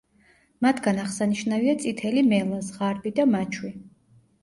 მათგან აღსანიშნავია წითელი მელა, ზღარბი და მაჩვი.